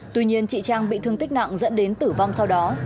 tuy nhiên chị trang bị thương tích nặng dẫn đến tử vong sau đó